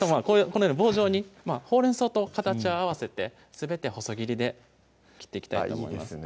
このように棒状にほうれん草と形を合わせてすべて細切りで切っていきたいと思います